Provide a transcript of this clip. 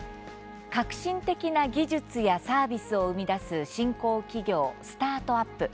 革新的な技術やサービスを生み出す新興企業スタートアップ。